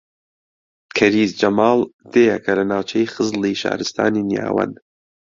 کەریز جەماڵ دێیەکە لە ناوچەی خزڵی شارستانی نیاوەن